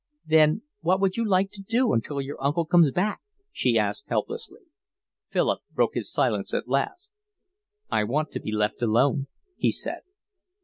"Then what would you like to do until your uncle comes back?" she asked helplessly. Philip broke his silence at last. "I want to be left alone," he said.